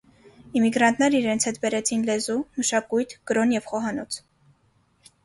Իմիգրանտները իրենց հետ բերեցին լեզու, մշակույթ, կրոն և խոհանոց։